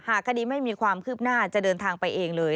คดีไม่มีความคืบหน้าจะเดินทางไปเองเลย